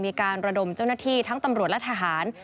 มีการระดมเจ้าหน้าที่ทั้งตำรวจและทหาร